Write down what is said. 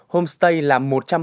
homestay là một trăm hai mươi bảy